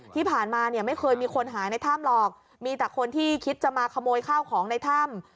ที่ผ่านมาเนี่ยไม่เคยมีคนหายในถ้ำหรอกมีแต่คนที่คิดจะมาขโมยข้าวของในถ้ำ